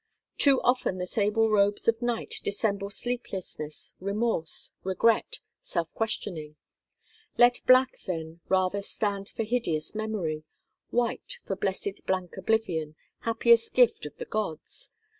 Too often the sable robes of night dissemble sleeplessness, remorse, regret, self questioning. Let black, then, rather stand for hideous memory: white for blessed blank oblivion, happiest gift of the gods!